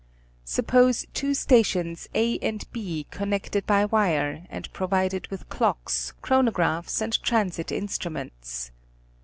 Suppose two stations A and B connected by wire, and provided with clocks, chronographs and transit instruments.